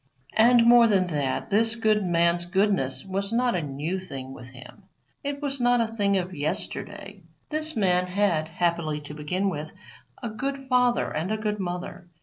And, more than that, this good man's goodness was not a new thing with him it was not a thing of yesterday. This man had, happily to begin with, a good father and a good mother.